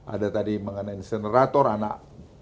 ada tadi mengenai insenerator anak